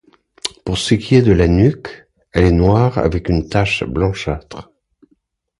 Pour ce qui est de la nuque, elle est noire avec une tache blanchâtre.